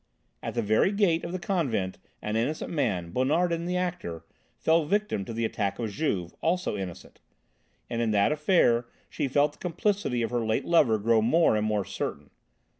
At the very gate of the convent an innocent man, Bonardin, the actor, fell victim to the attack of Juve, also innocent, and in that affair she felt the complicity of her late lover grow more and more certain.